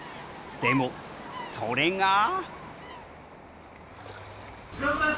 でもそれが！